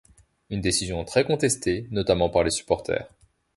Une décision très contestée notamment par les supporters.